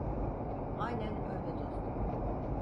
Aynen öyle dostum.